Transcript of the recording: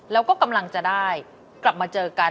แล้วก็กำลังจะได้กลับมาเจอกัน